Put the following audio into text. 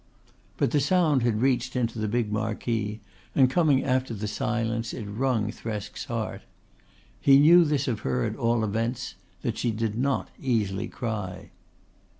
But the sound had reached into the big marquee and coming after the silence it wrung Thresk's heart. He knew this of her at all events that she did not easily cry.